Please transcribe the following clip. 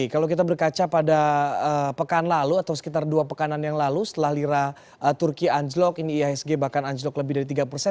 kalau kita berkaca pada pekan lalu atau sekitar dua pekanan yang lalu setelah lira turki anjlok ini ihsg bahkan anjlok lebih dari tiga persen